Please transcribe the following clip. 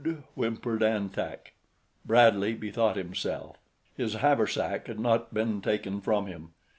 whimpered An Tak. Bradley bethought himself. His haversack had not been taken from him.